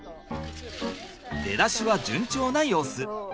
出だしは順調な様子。